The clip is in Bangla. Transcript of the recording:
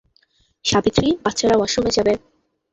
সাবিত্রী, বাচ্চারা ওয়াশরুম যাবে।